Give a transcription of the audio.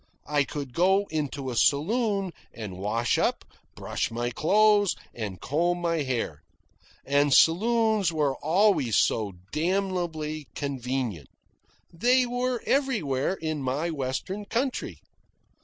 I could go into a saloon and wash up, brush my clothes, and comb my hair. And saloons were always so damnably convenient. They were everywhere in my western country.